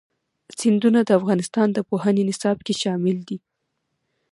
سیندونه د افغانستان د پوهنې نصاب کې شامل دي.